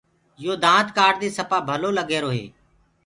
يو دآند ڪآڙدي سپآ ڀلو لگ رهيرو هي۔